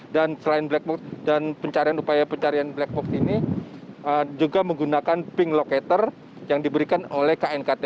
dan selain black box dan pencarian upaya pencarian black box ini juga menggunakan pink locator yang diberikan oleh knkt